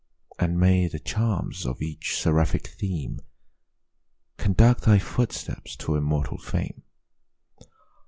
And may the charms of each seraphic theme Conduct thy footsteps to immortal fame!